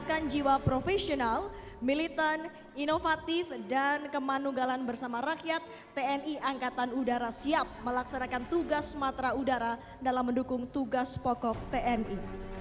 dan jiwa profesional militan inovatif dan kemanunggalan bersama rakyat tni angkatan udara siap melaksanakan tugas matra udara dalam mendukung tugas pokok tni